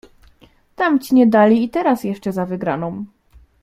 "Tamci nie dali i teraz jeszcze za wygraną."